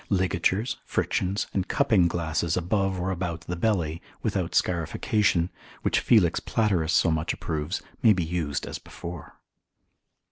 Ligatures, frictions, and cupping glasses above or about the belly, without scarification, which Felix Platerus so much approves, may be used as before.